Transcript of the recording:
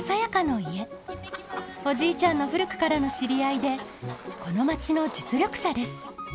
おじいちゃんの古くからの知り合いでこの町の実力者です。